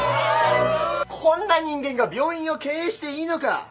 こんな人間が病院を経営していいのか！